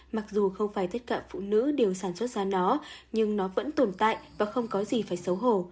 mặc dù không phải tất cả phụ nữ đều sản xuất ra nó nhưng nó vẫn tồn tại và không có gì phải xấu hổ